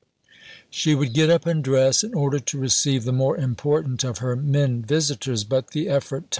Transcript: She would get up and dress in order to receive the more important of her men visitors, but the effort tired her greatly.